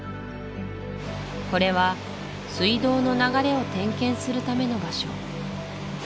これは水道の流れを点検するための場所